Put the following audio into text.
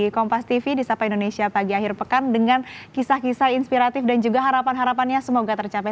kompas tv di sapa indonesia pagi akhir pekan dengan kisah kisah inspiratif dan juga harapan harapannya semoga tercapai